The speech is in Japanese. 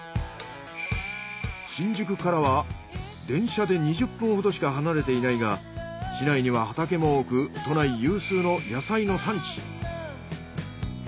新宿からは電車で２０分ほどしか離れていないが市内には畑も多く都内有数の野菜の産地。